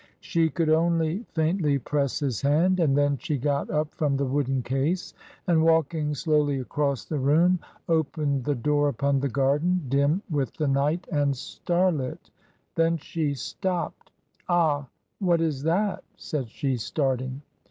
She could only faintly press his hand; and then she got up 2l6 MRS. DYMOND. from the wooden case, and walking slowly across the room opened the door upon the garden, dim with the night and starlit; then she stopped — "Ah! what is that?" said she starting.